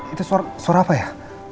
itu suara apa ya